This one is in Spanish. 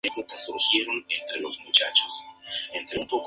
La forma del pico sugiere que eran una combinación de depredadores y carroñeros.